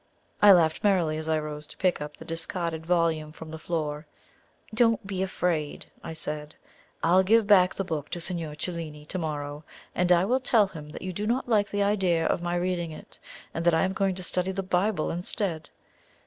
I laughed merrily as I rose to pick up the discarded volume from the floor. "Don't be afraid," I said; "I'll give back the book to Signor Cellini to morrow, and I will tell him that you do not like the idea of my reading it, and that I am going to study the Bible instead.